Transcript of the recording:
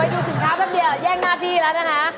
ไปดูสินค้าแบบนี้แย่งหน้าที่ละนะ